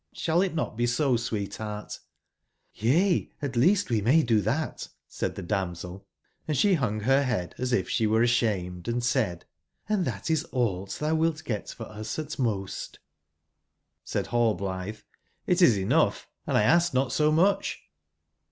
Shall it not be 80, sweetheart ?"j^"Yc^t at least we may do tbat," said the damsel; & she bung her bead as if she were ashamed, and said: "Hnd that is all that thou wilt get from us at most^j^Said Hallblitbe: "It is enough, and Xaskednot somucb.'